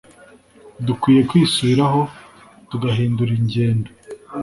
dukwiye kwisubiraho tuga hidura injyendo